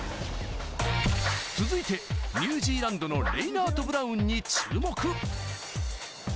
続いてニュージーランドのレイナートブラウンに注目。